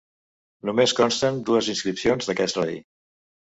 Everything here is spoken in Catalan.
Només consten dues inscripcions d'aquest rei.